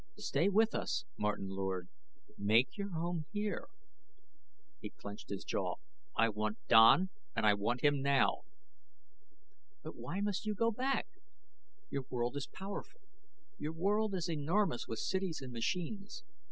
Stay with us, Martin Lord; make your home here." He clenched his jaw. "I want Don and I want him now!" "But why must you go back? Your world is powerful; your world is enormous with cities and machines.